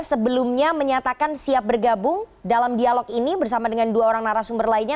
sebelumnya menyatakan siap bergabung dalam dialog ini bersama dengan dua orang narasumber lainnya